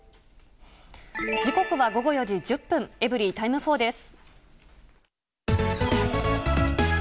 時刻は午後４時１０分、エブリィタイム４です。